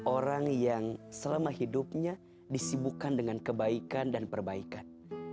orang yang selama hidupnya disibukkan dengan kebaikan dan perbaikan